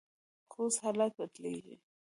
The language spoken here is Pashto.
خو اوس حالات بدلیږي.